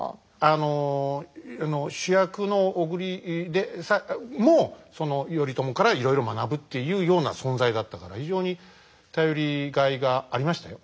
あの主役の小栗もその頼朝からいろいろ学ぶっていうような存在だったから非常に頼りがいがありましたよ。